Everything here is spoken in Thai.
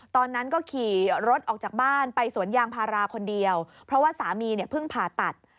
ตอนนั้นก็ขี่รถออกจากบ้านไปสวนยางพาราคนเดียวเพราะว่าสามีเนี่ยเพิ่งผ่าตัด